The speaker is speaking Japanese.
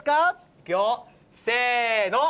いくよ、せーの。